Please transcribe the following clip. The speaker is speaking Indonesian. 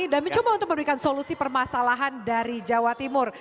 dan mencoba untuk memberikan solusi permasalahan dari jawa timur